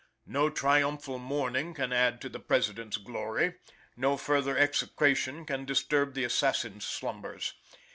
No triumphal mourning can add to the President's glory; no further execration can disturb the assassin's slumbers.